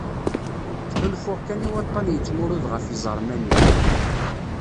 Ttḥulfuɣ kan i waṭṭan yettmurud ɣef yiẓerman-iw.